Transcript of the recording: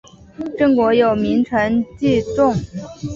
郑国有名臣祭仲。